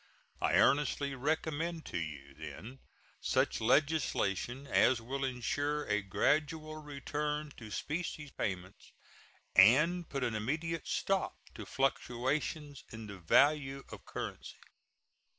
I earnestly recommend to you, then, such legislation as will insure a gradual return to specie payments and put an immediate stop to fluctuations in the value of currency.